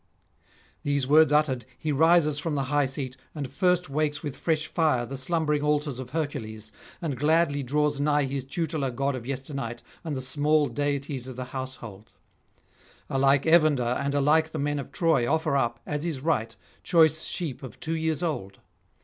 These words uttered, he rises from the high seat, and first wakes with fresh fire the slumbering altars of Hercules, and gladly draws nigh his tutelar god of yesternight and the small deities of the household. Alike Evander, and alike the men of Troy, offer up, as is right, choice sheep of two years old.